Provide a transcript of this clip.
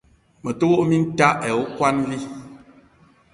Me te wok minta ayi okwuan vi.